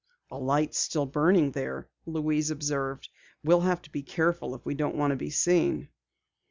"A light is still burning there," Louise observed. "We'll have to be careful if we don't want to be seen."